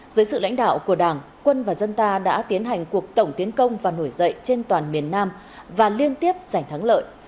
dưới sự lãnh đạo của đảng quân và dân ta đã tiến hành cuộc tổng tiến công và nổi dậy trên toàn miền nam và liên tiếp giành thắng lợi